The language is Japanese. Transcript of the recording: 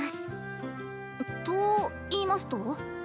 といいますと？